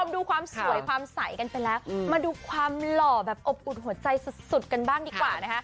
ดูความสวยความใสมาดูความหล่อแต่ลมใสสุดกันบ้างดีกว่า